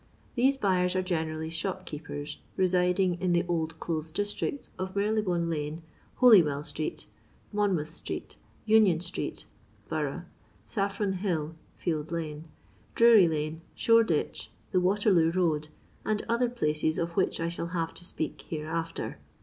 These buyers are generally shopkeepers, residing in the oid clothes districts of Marylebone lane, HolyweUnitreet, Monmouth street, Union street (Borough), 8a&on hi)l (Field lane), Drury lane, Shoreditdi, the Waterloo road, and other places of which I shall bare to speak hereafter.